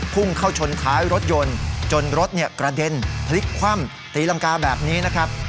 พุ่งเข้าชนท้ายรถยนต์จนรถกระเด็นพลิกคว่ำตีรังกาแบบนี้นะครับ